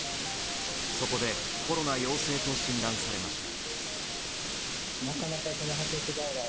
そこでコロナ陽性と診断されました。